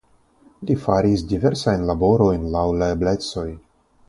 Li faris diversajn laborojn laŭ la eblecoj.